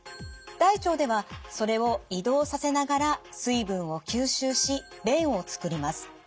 大腸ではそれを移動させながら水分を吸収し便をつくります。